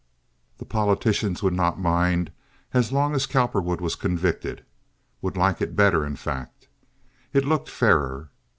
The politicians would not mind as long as Cowperwood was convicted—would like it better, in fact. It looked fairer.